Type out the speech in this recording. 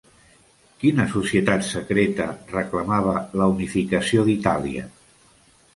Quina societat secreta reclamava la unificació d'Itàlia?